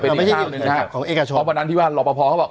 แต่ไม่ใช่ของเอกชอบเพราะวันนั้นที่ว่าหลอกประพอเขาบอก